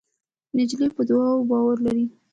نجلۍ په دعا باور لري.